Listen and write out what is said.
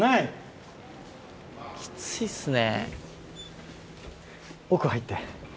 きついっすね。